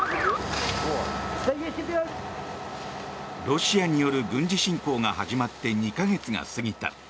ロシアによる軍事侵攻が始まって２か月が過ぎた。